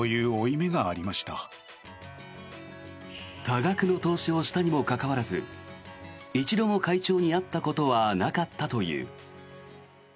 多額の投資をしたにもかかわらず一度も会長に会ったことはなかったという。